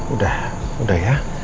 udah udah ya